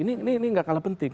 ini gak kalah penting